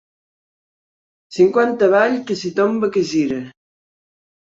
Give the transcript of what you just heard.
Cinquanta avall que si tomba que gira.